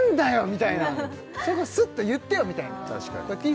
みたいなそれこそスッと言ってよみたいなてぃ